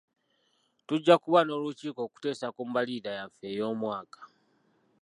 Tujja kuba n'olukiiko okuteesa ku mbalirira yaffe ey'omwaka.